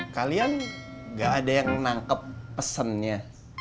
kalian gak ada yang menangkap pesennya